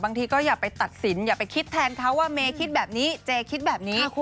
บางทีก็อย่าไปตัดสินอย่าไปคิดแทนเขาว่าเมย์คิดแบบนี้เจคิดแบบนี้